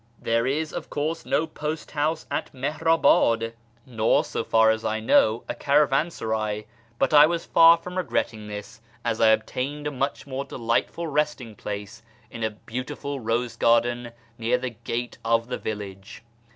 There is, of course, no post house at Mihrabad, nor, so far. 3SO A YEAR AMONGST THE PERSIANS as I know, a caravansaray; but I was far from regretting this, as I obtained a much more delightful resting place in a beautiful rose garden near the gate of the village.